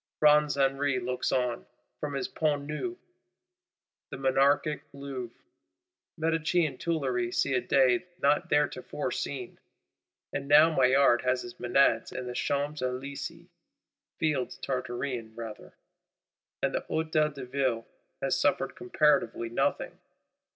Bronze Henri looks on, from his Pont Neuf; the Monarchic Louvre, Medicean Tuileries see a day not theretofore seen. And now Maillard has his Menads in the Champs Elysées (Fields Tartarean rather); and the Hôtel de Ville has suffered comparatively nothing.